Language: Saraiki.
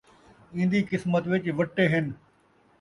ایندی قسمت وچ وٹے ہن